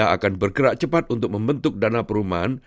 akan bergerak cepat untuk membentuk dana perumahan